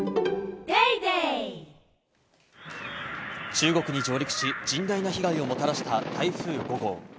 中国に上陸し、甚大な被害をもたらした台風５号。